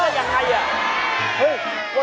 ทำได้อย่างไร